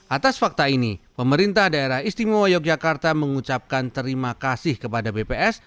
atas fakta ini pemerintah daerah istimewa yogyakarta mengucapkan terima kasih kepada bps